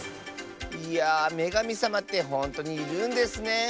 いやめがみさまってほんとにいるんですねえ。